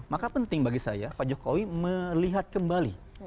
maka penting bagi saya pak jokowi melihat kembali